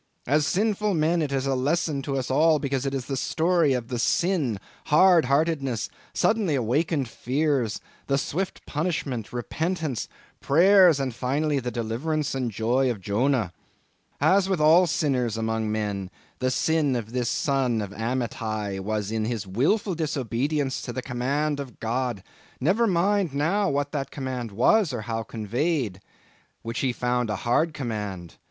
As sinful men, it is a lesson to us all, because it is a story of the sin, hard heartedness, suddenly awakened fears, the swift punishment, repentance, prayers, and finally the deliverance and joy of Jonah. As with all sinners among men, the sin of this son of Amittai was in his wilful disobedience of the command of God—never mind now what that command was, or how conveyed—which he found a hard command.